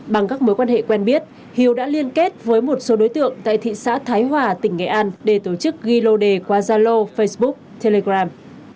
bằng các mối quan hệ quen biết hiếu đã liên kết với một số đối tượng tại thị xã thái hòa tỉnh nghệ an để tổ chức ghi lô đề qua zalo facebook telegram